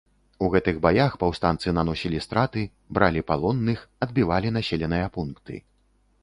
У гэтых баях паўстанцы наносілі страты, бралі палонных, адбівалі населеныя пункты.